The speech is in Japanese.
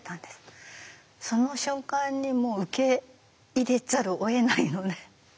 その瞬間にもう受け入れざるをえないので。